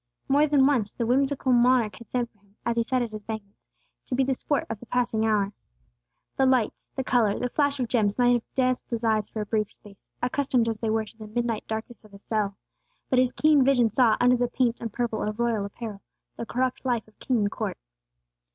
More than once, the whimsical monarch had sent for him, as he sat at his banquets, to be the sport of the passing hour. The lights, the color, the flash of gems may have dazzled his eyes for a brief space, accustomed as they were to the midnight darkness of his cell; but his keen vision saw, under the paint and purple of royal apparel, the corrupt life of king and court.